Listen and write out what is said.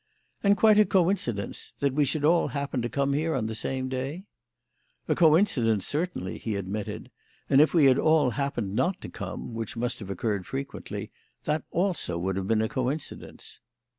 "And quite a coincidence that we should all happen to come here on the same day." "A coincidence, certainly," he admitted; "and if we had all happened not to come which must have occurred frequently that also would have been a coincidence."